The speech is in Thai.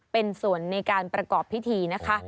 เป็นส่วนในการประกอบพิธีนะคะ